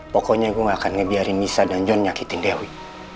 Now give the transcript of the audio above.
pokoknya gue gak akan ngebiarin misa dan john nyakitin dewi